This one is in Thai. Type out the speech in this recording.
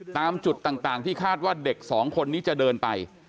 ตามจุดต่างที่คาดว่าเด็กสองคนนี้จะเดินไป